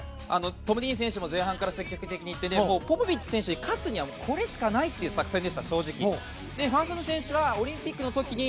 トム・ディーン選手も前半から積極的にいってポポビッチ選手に勝つにはこれしかないという作戦でした。